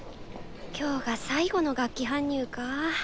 今日が最後の楽器搬入か。